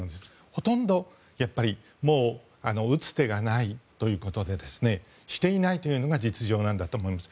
ほとんど打つ手がないということでしていないというのが実情なんだと思います。